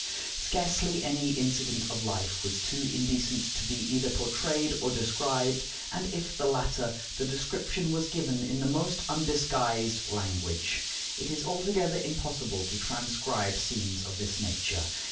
Scarcely any incident of life was too indecent to be either portrayed or described, and if the latter, the description was given in the most undisguised language. It is altogether impossible to transcribe scenes of this nature.